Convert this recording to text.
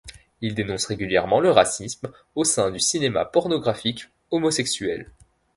Il dénonce régulièrement le racisme au sein du cinéma pornographique homosexuel.